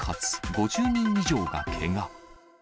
５０人以上がけが。